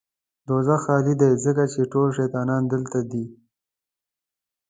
دوزخ خالی دی ځکه چې ټول شيطانان دلته دي. ويلييم شکسپير